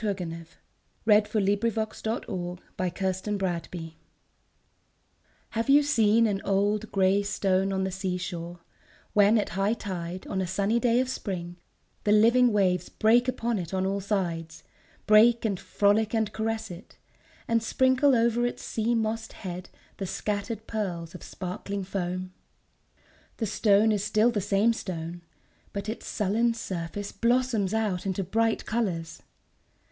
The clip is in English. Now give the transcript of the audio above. Dec, 1878. 304 POEMS IN PROSE n [1879 1882] THE STONE Have you seen an old grey stone on the sea shore, when at high tide, on a sunny day of spring, the living waves break upon it on all sides — break and frolic and caress it — and sprinkle over its sea mossed head the scattered pearls of sparkling foam ? The stone is still the same stone ; but its sullen surface blossoms out into bright colours.